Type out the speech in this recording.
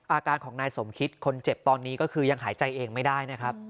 อาการของนายสมคิดคนเจ็บตอนนี้ก็คือยังหายใจเองไม่ได้นะครับ